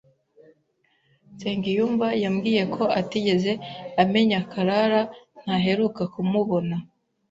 Nsengiyumva yambwiye ko atigeze amenya Karara ntaheruka kumubona.